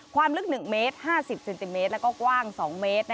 ความลึก๑เมตร๕๐เซนติเมตรแล้วก็กว้าง๒เมตร